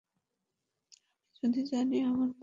আমি যদি জানি আমার মাল নিরাপদ, সেটাই যথেষ্ট।